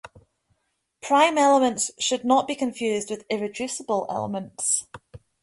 Prime elements should not be confused with irreducible elements.